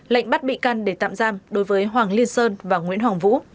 lệnh bắt bị can để tạm giam đối với hoàng liên sơn và nguyễn hoàng vũ